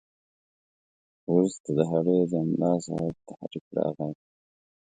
وروسته د هډې د ملاصاحب تحریک راغی.